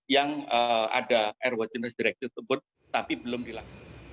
yang ada airworthiness directive terbut tapi belum dilakukan